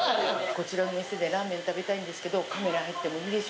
こちらの店でラーメン食べたいんですけどカメラ入ってもいいでしょうか？